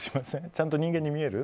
ちゃんと人間に見える？